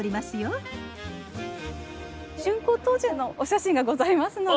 竣工当時のお写真がございますので。